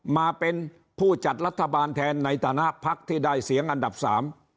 มาเป็นผู้จัดรัฐบาลแทนในฐานะพักที่ได้เสียงอันดับสาม